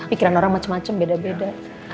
pikiran orang macem macem beda beda